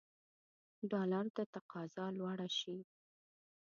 ډالرو ته تقاضا لوړه شي.